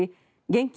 現金